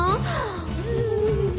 うん。